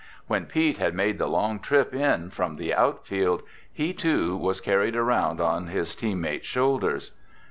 When Pete had made the long trip in from the outfield, he too was carried around on his teammates' shoulders.